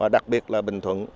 đặc biệt là bình thuận